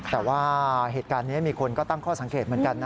แต่ว่าเหตุการณ์นี้มีคนก็ตั้งข้อสังเกตเหมือนกันนะ